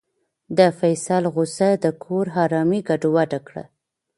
د فیصل غوسه د کور ارامي ګډوډه کړه.